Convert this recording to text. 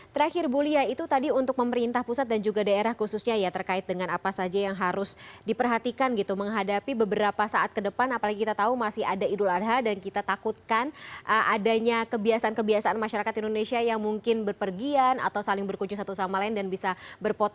terakhir bu lia itu tadi untuk pemerintah pusat dan juga daerah khususnya ya terkait dengan apa saja yang harus diperhatikan gitu menghadapi beberapa saat ke depan apalagi kita tahu masih ada idul adha dan kita takutkan adanya kebiasaan kebiasaan masyarakat indonesia yang mungkin berpergian atau saling berkunjung satu sama lain dan bisa berpotensi